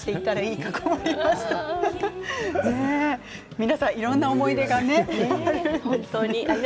皆さんいろいろな思い出がある。